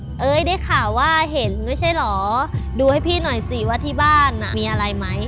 เอ้ยได้ข่าวว่าเห็นไม่ใช่เหรอดูให้พี่หน่อยสิว่าที่บ้านมีอะไรไหม